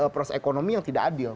proses ekonomi yang tidak adil